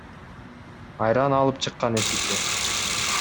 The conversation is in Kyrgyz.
Айран алып чыккан эшикке.